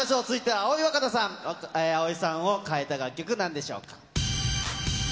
葵わかなさんを変えた楽曲なんでしょうか。